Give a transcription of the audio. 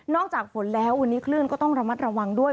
จากฝนแล้ววันนี้คลื่นก็ต้องระมัดระวังด้วย